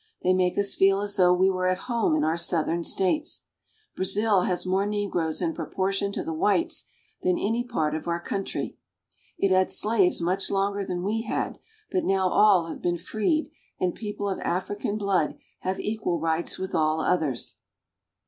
They make us feel as though we were at home in our southern States. Brazil has more negroes in proportion to the whites than any part of our country. It had slaves much longer than we had, but now all have been freed, and peo ple of African blood have equal rights with all others.